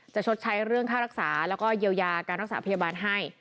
ชดใช้เรื่องค่ารักษาแล้วก็เยียวยาการรักษาพยาบาลให้